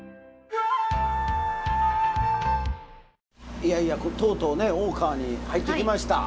いやいやとうとうね大川に入ってきました。